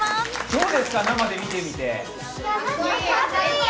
どうですか、生で見てみて。